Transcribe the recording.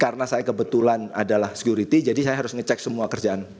karena saya kebetulan adalah security jadi saya harus ngecek semua kerjaan